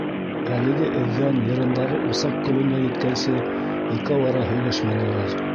Әлеге эҙҙән йырындағы усаҡ көлөнә еткәнсе икәү-ара һөйләшмәнеләр.